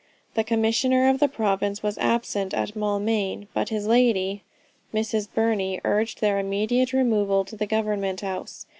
... The commissioner of the province was absent at Maulmain, but his lady, Mrs. Burney, urged their immediate removal to the government house.